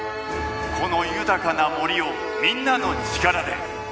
この豊かな森をみんなの力で。